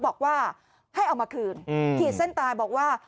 บอกว่าให้เอามาคืนขีดเส้นตายบอกว่า